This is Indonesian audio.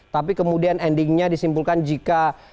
tapi kemudian endingnya disimpulkan jika